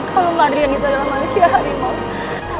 kalau madrian itu adalah manusia harimau